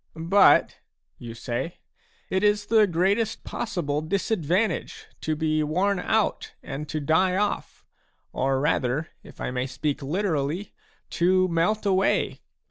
" But/' you say, " it ~~[ is the greatest possible disadvantage to be worn out and to die ofF, or rather, if I may speak literally, to melt away